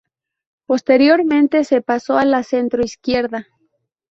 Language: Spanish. Posteriormente se pasó a la centro izquierda.